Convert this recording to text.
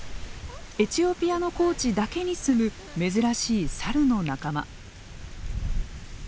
エチオピアの高地だけに住む珍しいサルの仲間。